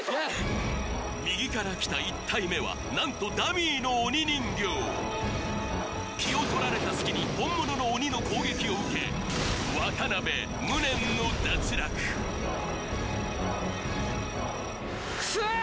右から来た１体目は何とダミーの鬼人形気をとられた隙に本物の鬼の攻撃を受け渡辺無念の脱落クソー！